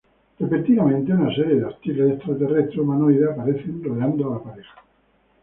Repentinamente, una serie de hostiles extraterrestres humanoides aparecen, rodeando a la pareja.